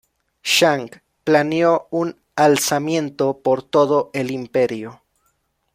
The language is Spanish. Zhang planeó un alzamiento por todo el imperio.